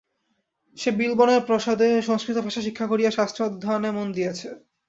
সে বিলবনের প্রসাদে সংস্কৃত ভাষা শিক্ষা করিয়া শাস্ত্র-অধ্যয়নে মন দিয়াছে।